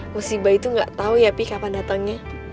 musibah itu gak tau ya pi kapan datengnya